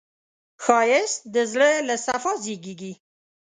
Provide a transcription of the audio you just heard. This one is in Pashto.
ښایست د زړه له صفا زېږېږي